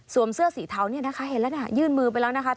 เสื้อสีเทาเนี่ยนะคะเห็นแล้วเนี่ยยื่นมือไปแล้วนะคะ